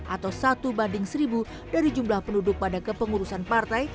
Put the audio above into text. atau satu banding seribu dari jumlah penduduk pada kepengurusan partai